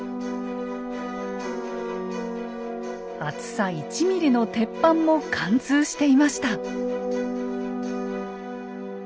厚さ１ｍｍの鉄板も貫通していました。